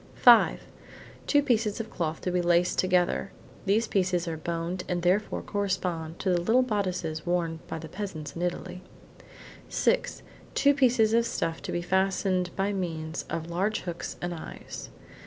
Five: two pieces of cloth to be laced together. (These pieces are boned and therefore correspond to the little bodices worn by the peasants in Italy.) Six: two pieces of stuff to be fastened by means of large hooks and eyes.